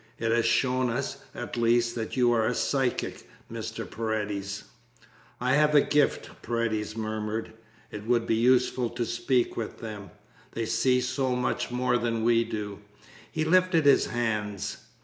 It has shown us, at least, that you are psychic, Mr. Paredes." "I have a gift," Paredes murmured. "It would be useful to speak with them. They see so much more than we do." He lifted his hands.